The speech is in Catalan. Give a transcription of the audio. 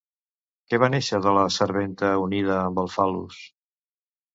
Què va néixer de la serventa unida amb el fal·lus?